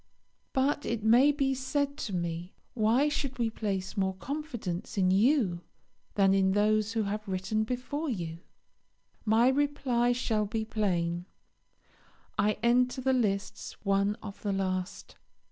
But it may be said to me, Why should we place more confidence in you than in those who have written before you? My reply shall be plain. I enter the lists one of the last.